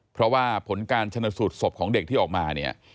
เพราะว่าผลการชนสูตรศพของเด็กที่ออกมาเนี่ย